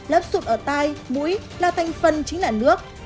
lớp sụp ở tai mũi là thành phần chính là nước